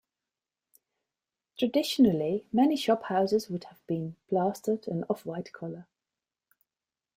Traditionally, many shophouses would have been plastered an off-white colour.